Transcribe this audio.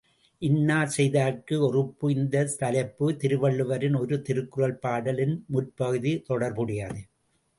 இன்னா செய்தார்க்கு ஒறுப்பு இந்தத் தலைப்பு, திருவள்ளுவரின் ஒரு திருக்குறள் பாடலின் முற்பகுதித் தொடர்புடையது.